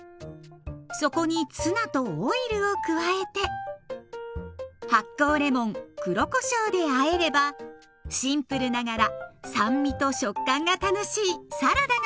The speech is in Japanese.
そこにツナとオイルを加えて発酵レモン黒こしょうであえればシンプルながら酸味と食感が楽しいサラダが完成。